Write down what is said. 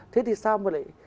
thế thì sao mà lại